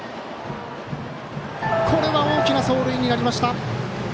これは大きな走塁になりました。